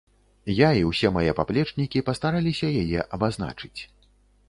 Я і ўсе мае паплечнікі пастараліся яе абазначыць.